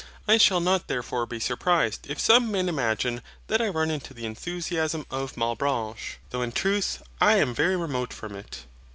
I shall not therefore be surprised if some men imagine that I run into the enthusiasm of Malebranche; though in truth I am very remote from it.